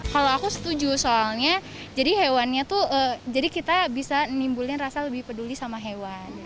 kalau aku setuju soalnya jadi kita bisa menimbulkan rasa lebih peduli sama hewan